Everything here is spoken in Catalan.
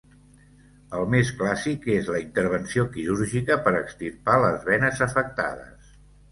El més clàssic és la intervenció quirúrgica per extirpar les venes afectades.